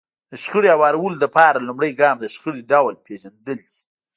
د شخړې هوارولو لپاره لومړی ګام د شخړې ډول پېژندل دي.